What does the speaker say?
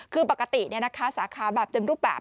คือปกติเนี้ยนะคะสาขาแบบเต็มรูปแบบ